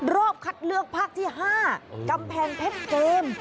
รอบคัดเลือกภาคที่๕กำแพงเพชรเกม